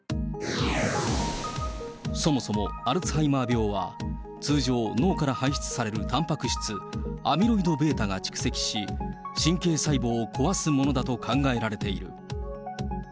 そもそもアルツハイマー病は、通常、脳から排出されるたんぱく質、アミロイドβが蓄積し、神経細胞を壊すものだと考えられている。